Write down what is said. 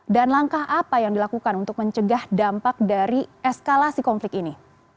dan langkah apa yang dilakukan untuk mencegah dampak dari eskalasi konflik ini